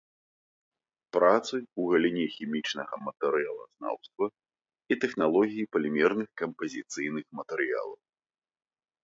Працы ў галіне хімічнага матэрыялазнаўства і тэхналогіі палімерных кампазіцыйных матэрыялаў.